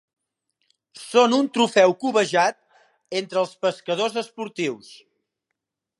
Són un trofeu cobejat entre els pescadors esportius.